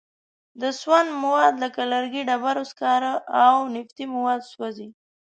د سون مواد لکه لرګي، ډبرو سکاره او نفتي مواد سوځي.